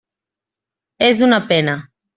És una pena.